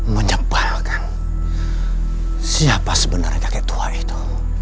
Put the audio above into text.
menyempalkan siapa sebenarnya kakek tua itu